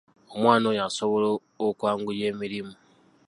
Omwana oyo asobola okwanguya emirimu?